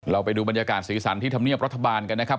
ไปดูบรรยากาศสีสันที่ธรรมเนียบรัฐบาลกันนะครับ